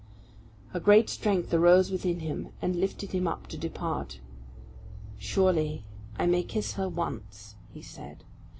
A great strength arose within him, and lifted him up to depart. "Surely I may kiss her once," he said.